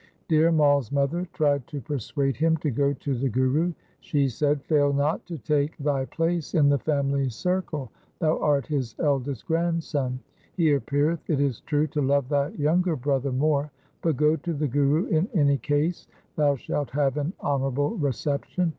Dhir Mai's mother tried to persuade him to go to the Guru. She said, ' Fail not to take thy place in the family circle. Thou art his eldest grandson. He appeareth, it is true, to love thy younger brother more. But go to the Guru in any case. Thou shalt have an honourable reception.